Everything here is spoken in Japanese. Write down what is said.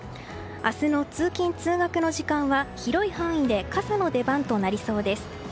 明日の通勤・通学の時間は広い範囲で傘の出番となりそうです。